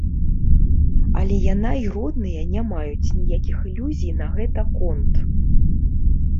Але яна і родныя не маюць ніякіх ілюзій на гэта конт.